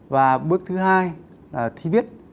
và bước thứ hai là thi viết